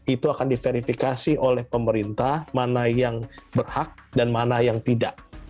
itu akan diverifikasi oleh pemerintah mana yang berhak dan mana yang tidak